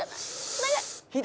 お願い」